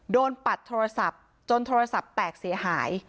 ปัดโทรศัพท์จนโทรศัพท์แตกเสียหาย